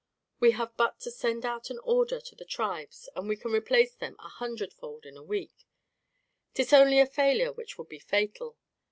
We have but to send out an order to the tribes and we can replace them a hundred fold in a week; 'tis only a failure which would be fatal.